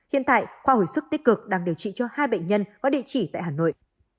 hiện tại khoa hồi sức tích cực đang điều trị cho hai bệnh nhân có địa chỉ tại hà nội